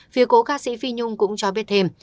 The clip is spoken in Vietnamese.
phía cố ca sĩ phi nhung cũng cho biết thêm